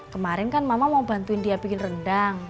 kemarin kan mama mau bantuin dia bikin rendang